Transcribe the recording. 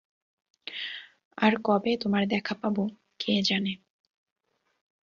আর কবে তোমার দেখা পাব, কে জানে।